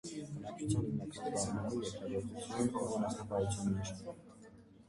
Բնակչության հիմնական զբաղմունքը երկրագործությունն ու անասնապահություն էր։